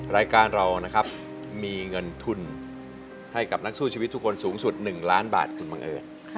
รายการเรานะครับมีเงินทุนให้กับนักสู้ชีวิตทุกคนสูงสุด๑ล้านบาทคุณบังเอิญ